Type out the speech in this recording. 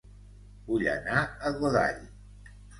Vull anar a Godall